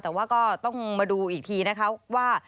แต่ว่าก็ต้องมาดูอีกทีนะคะว่า